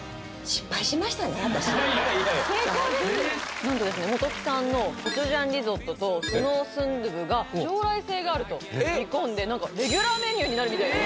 なんとですね元木さんのコチュジャンリゾットとスノースンドゥブが将来性があると見込んで何かレギュラーメニューになるみたいです